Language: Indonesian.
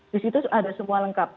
di situ ada semua lengkap